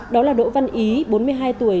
đó là đỗ văn ý bốn mươi hai tuổi